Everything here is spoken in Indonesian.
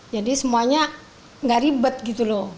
jadi semuanya enggak ribet gitu loh